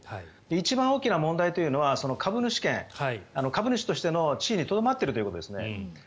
一番大きな問題は株主権株主の地位にとどまっているということです。